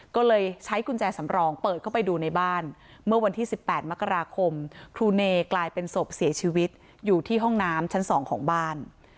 ก็เลยใช้กุญแจสำรองเปิดเข้าไปดูในบ้านเมื่อวันที่๑๘มกราคมครูเนยกลายเป็นศพเสียชีวิตอยู่ที่ห้องน้ำชั้น๒ของบ้าน